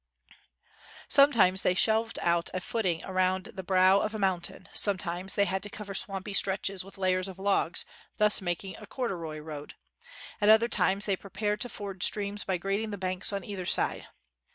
Sometimes they shelved out a footing around the brow of a mountain; sometimes they had to cover swampy stretches with layers of logs, thus making a corduroy road. At other times they prepared to ford streams by grading the banks on either side.